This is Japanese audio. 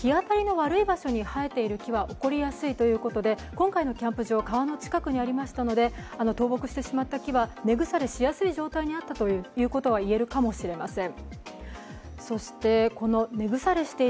今回のキャンプ場、川の近くにありましたので、倒木してしまった木は根腐れしやすい状態にあったということは言えるかもしれません。